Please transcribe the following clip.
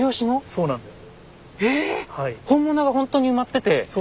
そうなんです。